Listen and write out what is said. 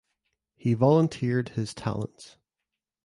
He volunteered his talents.